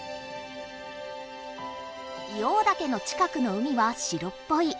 硫黄岳の近くの海は白っぽい。